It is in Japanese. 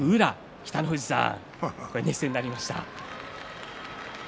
北の富士さん、熱戦になりました。